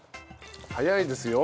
早いですよ。